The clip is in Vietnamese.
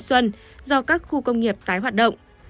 xuân do các khu công nghiệp tái hoạt động